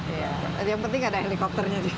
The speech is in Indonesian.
iya jadi yang penting ada helikopternya juga